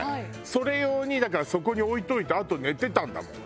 それ用にだからそこに置いといてあと寝てたんだもん。